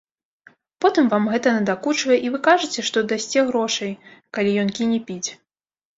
Потым вам гэта надакучвае, і вы кажаце, што дасце грошай, калі ён кіне піць.